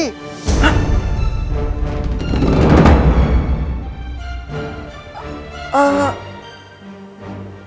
wah ini ntar dia